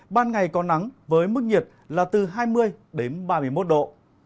ban ngày có nắng với mức nhiệt là từ hai mươi đến ba mươi một độ